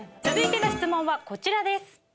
続いての質問はこちらです。